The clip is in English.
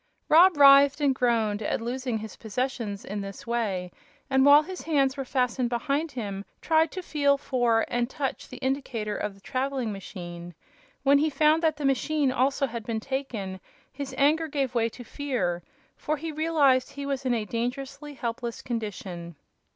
Rob writhed and groaned at losing his possessions in this way, and while his hands were fastened behind him tried to feel for and touch the indicator of the traveling machine. When he found that the machine also had been taken, his anger gave way to fear, for he realized he was in a dangerously helpless condition.